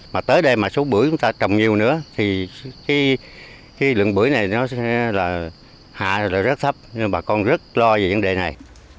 mà tới đây mà số bưởi chúng ta trồng nhiều nữa thì lượng bưởi này hạ rất thấp nên bà con rất lo về vấn đề này